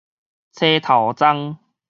吹頭鬃